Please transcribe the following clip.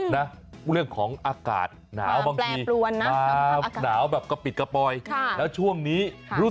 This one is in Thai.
การดูแลใส่ใจพวกนี้